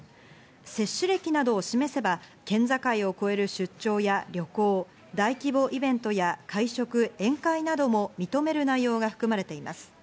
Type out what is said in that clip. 接種歴などを示せば県境を越える出張や旅行、大規模イベントや会食、宴会などを認める内容が含まれています。